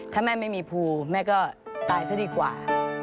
ถ้าแม่ไม่มีภูแม่ก็ตายซะดีกว่า